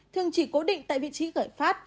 thường chỉ cố định tại vị trí gởi phát